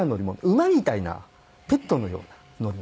馬みたいなペットのような乗り物です。